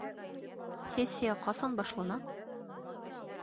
Сессия ҡасан башлана?